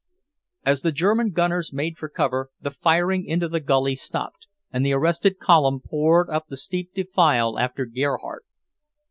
As the German gunners made for cover, the firing into the gully stopped, and the arrested column poured up the steep defile after Gerhardt.